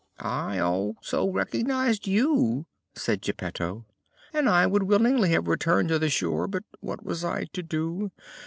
"I also recognized you," said Geppetto, "and I would willingly have returned to the shore, but what was I to do!